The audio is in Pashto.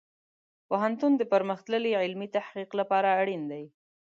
پوهنتون د پرمختللې علمي تحقیق لپاره اړین دی.